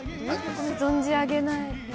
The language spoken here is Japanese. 存じ上げない。